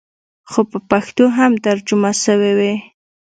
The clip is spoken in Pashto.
خو په پښتو هم ترجمه سوې وې.